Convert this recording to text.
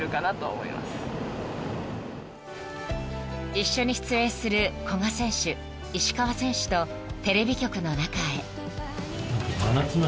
［一緒に出演する古賀選手石川選手とテレビ局の中へ］